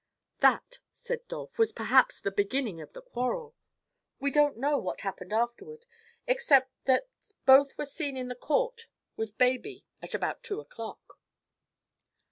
"That," said Dolph, "was perhaps the beginning of the quarrel. We don't know what happened afterward, except that both were seen in the court with baby at about two o'clock."